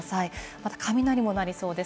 また雷もなりそうです。